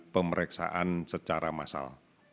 pemeriksaan secara massal